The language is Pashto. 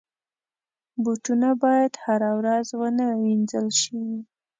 بوټونه باید هره ورځ ونه وینځل شي.